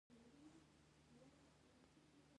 که لاره وپوښتل شي، نو ورکېدل به کم شي.